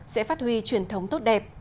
sẽ phát huy truyền thống tốt đẹp